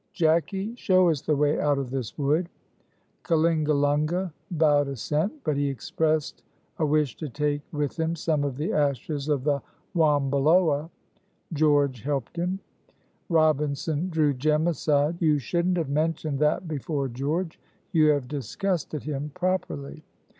"Jacky, show us the way out of this wood." Kalingalunga bowed assent, but he expressed a wish to take with him some of the ashes of the wambiloa. George helped him. Robinson drew Jem aside. "You shouldn't have mentioned that before George; you have disgusted him properly."